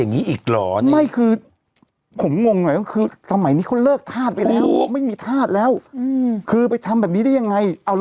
ตรงนี้มึงเอาแต้งซี่กำหนดไปได้ไงอ่ะ